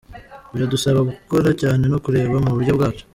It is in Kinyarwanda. Biradusaba gukora cyane no kureba mu buryo bwacu.